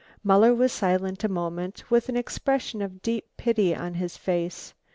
Muller was silent a moment, with an expression of deep pity on his face.